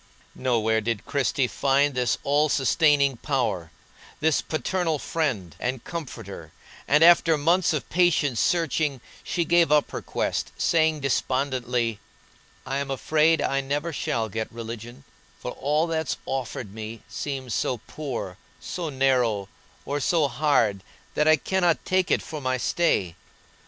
Nowhere did Christie find this all sustaining power, this paternal friend, and comforter, and after months of patient searching she gave up her quest, saying, despondently: "I'm afraid I never shall get religion, for all that's offered me seems so poor, so narrow, or so hard that I cannot take it for my stay.